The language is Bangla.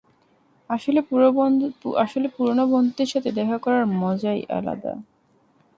আসলে, পুরনো বন্ধুদের সাথে দেখা করার মজাই আলাদা।